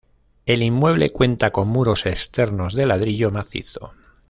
El inmueble cuenta con muros externos de ladrillo macizo.